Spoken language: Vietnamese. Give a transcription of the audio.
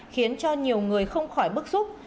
khiến cho nhiều người không khỏi bức xúc